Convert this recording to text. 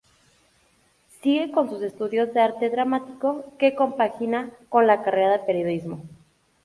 Sigue con sus estudios de arte dramático que compagina con la carrera de Periodismo.